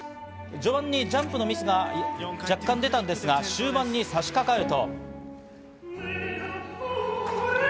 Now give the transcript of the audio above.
序盤にジャンプのミスが若干出たんですが、終盤に差し掛かると。